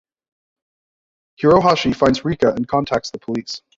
Hirohashi finds Rika and contacts the police.